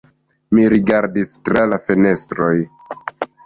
Mi rigardis tra la fenestroj.